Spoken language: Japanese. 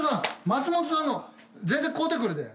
松本さんの全然買うてくるで。